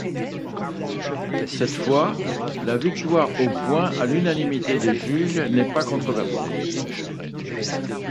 Cette fois la victoire aux points à l'unanimité des juges n'est pas controversée.